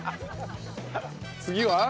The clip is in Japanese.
次は？